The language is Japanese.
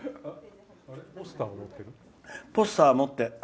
ポスター、持って。